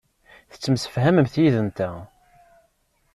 Tettemsefhamemt yid-nteɣ.